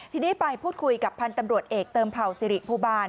ทีนี้ไปพูดคุยกับพันธ์ตำรวจเอกเติมเผ่าสิริภูบาล